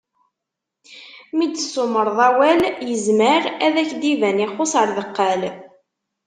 Mi d-tsumreḍ awal, yezmer ad ak-d-iban ixuss ar deqqal.